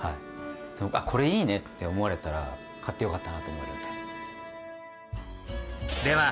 あこれいいねって思われたら買ってよかったなと思えるんで。